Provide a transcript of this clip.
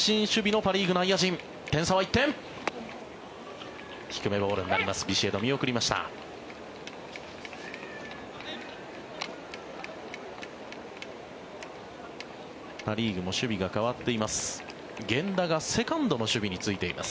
パ・リーグも守備が変わっています。